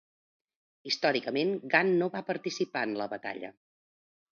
Històricament, Gan no va participar en la batalla.